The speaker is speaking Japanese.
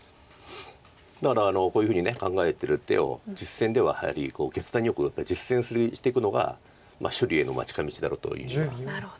だからこういうふうに考えてる手を実戦ではやはり決断よく実戦していくのが勝利への近道だろうというふうな。